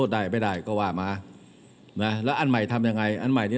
ได้ไม่ได้ก็ว่ามานะแล้วอันใหม่ทำยังไงอันใหม่นี้